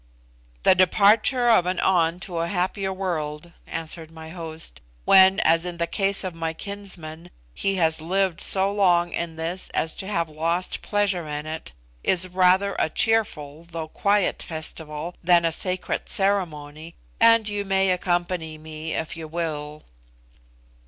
"The departure of an An to a happier world," answered my host, "when, as in the case of my kinsman, he has lived so long in this as to have lost pleasure in it, is rather a cheerful though quiet festival than a sacred ceremony, and you may accompany me if you will."